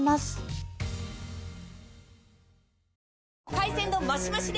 海鮮丼マシマシで！